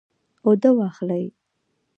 اوده واخلئ